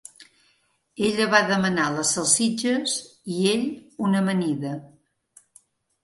Ella va demanar les salsitxes, i ell, una amanida.